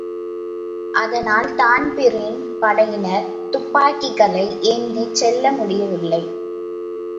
அதனால் தான்பிரீன் படையினர் துப்பாக்கிகளை ஏந்திச் செல்லமுடியவில்லை.